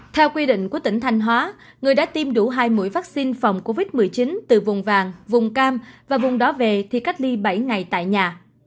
theo quy định của tỉnh thanh hóa người đã tiêm đủ hai mũi vaccine phòng covid một mươi chín từ vùng vàng vùng cam và vùng đó về thì cách ly bảy ngày tại nhà